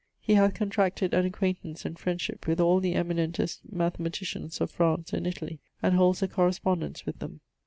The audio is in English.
He hath contracted an acquaintance and friendship with all the eminentst mathematicians of France and Italie, and holds a correspondence with them.